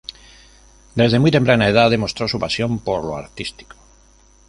Desde muy temprana edad demostró su pasión por lo artístico.